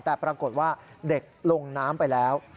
แต่ปรากฏว่าเด็กลงน้ำไปแล้ว